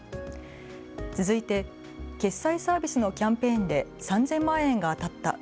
続いて決済サービスのキャンペーンで３０００万円が当たった。